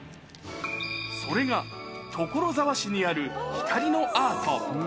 それが所沢市にある光のアート。